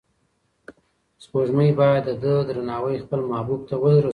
سپوږمۍ باید د ده درناوی خپل محبوب ته ورسوي.